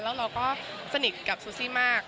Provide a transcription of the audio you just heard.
แล้วเราก็สนิทกับซูซี่มาก